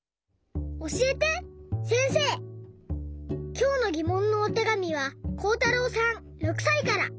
きょうのぎもんのおてがみはこうたろうさん６さいから。